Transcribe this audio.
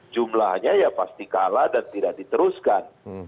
jumlahnya ya pasti kalah dan tidak diteruskan